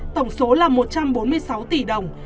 tổng số là một trăm bốn mươi sáu tỷ đồng